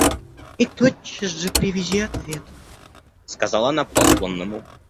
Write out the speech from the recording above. И тотчас же привези ответ, — сказала она посланному.